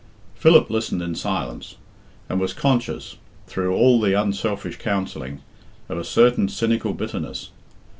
Philip listened in silence, and was conscious, through all the unselfish counselling, of a certain cynical bitterness.